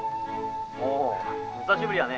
おう久しぶりやね。